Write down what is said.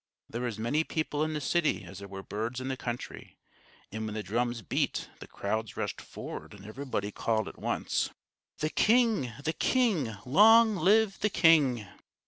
There were as many people in the city as there were birds in the country; and when the drums beat, the crowd rushed forward and everybody called at once: "The king! the king! Long live the king!"